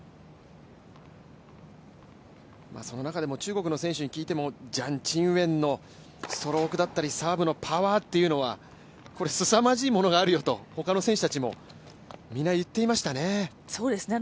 その中でも中国の選手に聞いても、ジャン・チンウェンのストロークだったり、サーブのパワーというのはすさまじいものがあるよと他の選手たちも皆言っていましたね。